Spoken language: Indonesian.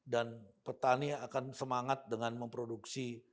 dan petani akan semangat dengan memproduksi